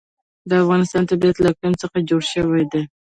د افغانستان طبیعت له اقلیم څخه جوړ شوی دی.